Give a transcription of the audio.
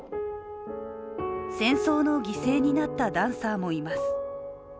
戦争の犠牲になったダンサーもいます。